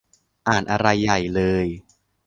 อ่านอะไรใหญ่เลย